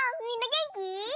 みんなげんき？